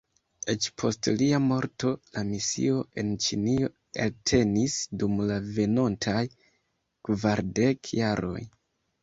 Eĉ post lia morto, la misio en Ĉinio eltenis dum la venontaj kvardek jaroj.